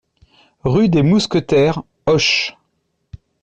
Rue des Mousquetaires, Auch